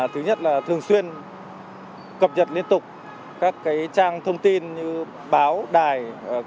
thứ nhất là thường xuyên cập nhật liên tục các trang thông tin như báo đài